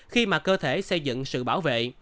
khi mà cơ thể xây dựng sự bảo vệ